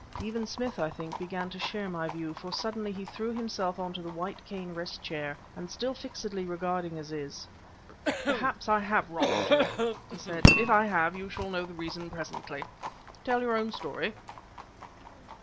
Even Smith, I think, began to share my view; for suddenly he threw himself into the white cane rest chair, and, still fixedly regarding Aziz: "Perhaps I have wronged you," he said. "If I have, you shall know the reason presently. Tell your own story!"